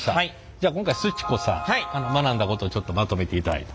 じゃあ今回すち子さん学んだことをちょっとまとめていただいて。